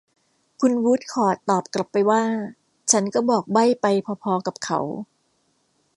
คุณวูดคอร์ทตอบกลับไปว่า ฉันก็บอกใบ้ไปพอ ๆ กับเขา